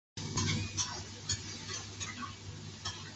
有脓皮症并发的情形会使用抗菌药。